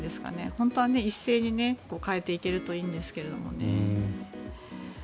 本当は一斉に変えていけるといいんですけどもね。